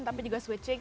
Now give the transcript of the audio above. tapi juga switching